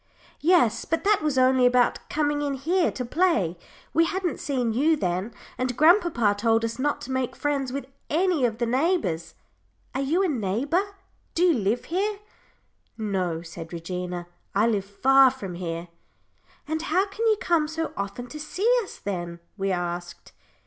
"Yes, but that was only about coming in here to play. We hadn't seen you then and grandpapa told us not to make friends with any of the neighbours. Are you a neighbour? Do you live here?" "No," said Regina. "I live far from here." "And how can you come so often to see us, then?" we asked.